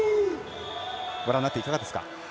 ご覧になっていかがですか？